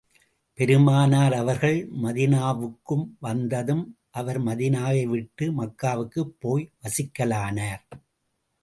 பெருமானார் அவர்கள் மதீனாவுக்கு வந்ததும், அவர் மதீனாவை விட்டு மக்காவுக்குப் போய் வசிக்கலானார்.